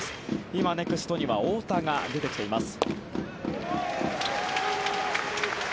今、ネクストには太田が出てきています。